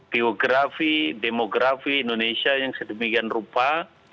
geografi demografi indonesia yang sedemikian rupa